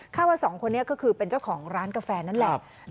ว่าสองคนนี้ก็คือเป็นเจ้าของร้านกาแฟนั่นแหละ